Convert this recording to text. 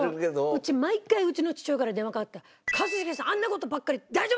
うち毎回うちの父親から電話かかって。